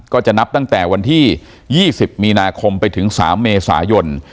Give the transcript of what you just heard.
ก็จะนับตั้งแต่วันที่๒๐มีนาคมไปถึง๓เมษายน